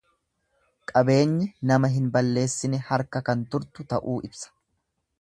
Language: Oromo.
Qabeenyi nama hin balleessine harka kan turtu ta'uu ibsa.